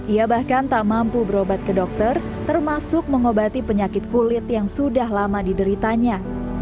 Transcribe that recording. ia bahkan tak mampu berobat ke dokter termasuk mengobati penyakit kulit yang sudah lama dideritanya